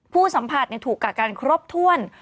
ผู้สัมผัสถูกกักกันครบถ้วน